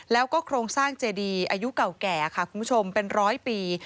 แล้วก็โครงสร้างเจดีอายุเก่าแก่ค่ะคุณผู้ชมเป็นร้อยปี